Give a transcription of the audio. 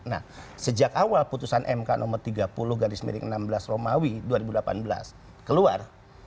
nah sejak awal putusan mk nomor tiga puluh garis miring enam belas romawi dua ribu delapan belas keluar